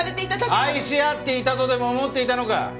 愛し合っていたとでも思っていたのか？